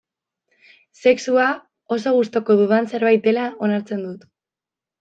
Sexua oso gogoko dudan zerbait dela onartzen dut.